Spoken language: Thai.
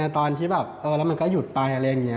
มันเลยทำให้เราต้องหยุดการถ่ายครับ